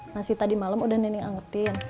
nasi tadi malem udah nenek angetin